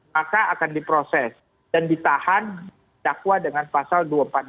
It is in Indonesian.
maka akan diproses dan ditahan dakwa dengan pasal dua ratus empat puluh delapan